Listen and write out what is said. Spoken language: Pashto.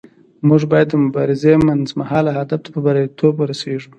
موږ باید د مبارزې منځمهاله هدف ته په بریالیتوب ورسیږو.